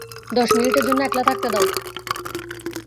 দশ মিনিটের জন্যে একলা থাকতে দাও।